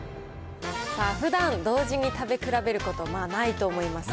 さあ、ふだん、同時に食べ比べることないと思います。